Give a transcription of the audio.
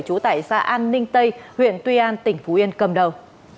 chú tải xã an ninh tây huyện tuy an tỉnh phú yên cầm đầu